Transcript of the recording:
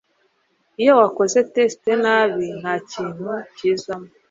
iyo wakoze test nabi nta kintu kizamo